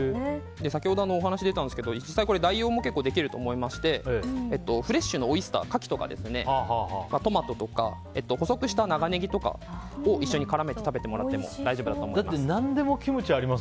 先ほどお話に出たんですが実際、代用もできると思ってましてフレッシュのオイスターカキとかトマトとか細くした長ネギを絡めて食べてもらっても大丈夫だと思います。